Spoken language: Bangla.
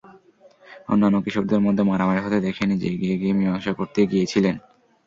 অন্যান্য কিশোরদের মধ্যে মারামারি হতে দেখে নিজে এগিয়ে গিয়ে মীমাংসা করতে গিয়েছিলেন।